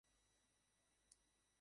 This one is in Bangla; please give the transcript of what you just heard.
বোধ হয় ভুলিয়া গিয়াছে নালিশ করিতে।